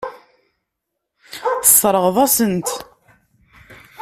Tesseṛɣeḍ-asen-t.